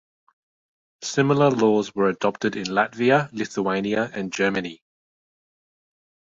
Similar laws were adopted in Latvia, Lithuania and Germany.